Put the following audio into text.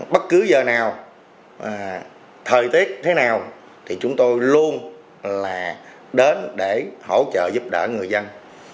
bất cứ giờ nào thời tiết thế nào thì chúng tôi luôn là đến để hỗ trợ giúp đỡ người dân